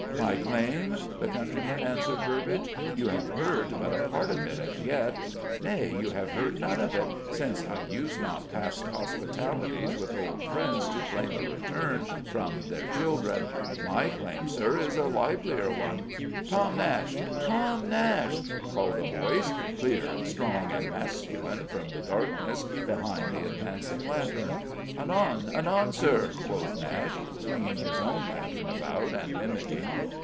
"My claim?" the countryman answered Burbage. "You have heard but a part of it as yet. Nay, you have heard none of it, since I use not past hospitalities with old friends to claim a return from their children. My claim, Sir, is a livelier one " "Tom Nashe! Tom Nashe!" called a voice, clear and strong and masculine, from the darkness behind the advancing lantern. "Anon, anon, Sir," quoted Nashe, swinging his own lantern about and mimicking.